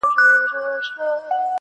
لكه ملا.